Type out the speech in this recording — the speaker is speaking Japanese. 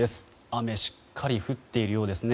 雨、しっかり降っているようですね。